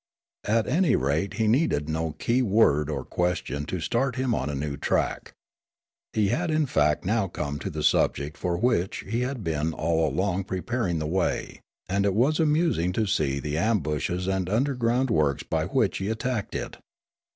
At any rate he needed no key word or question to start him on a new track. He had in fact now come to the subject for which he had been all along preparing the way ; and it was anuising to see the ambushes and underground works by which he at tacked it.